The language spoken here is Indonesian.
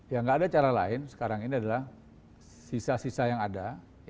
ya nggak ada cara lain sekarang ini adalah sisa sisa yang ada